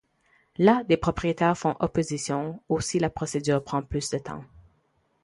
Là, des propriétaires font opposition, aussi la procédure prend plus de temps.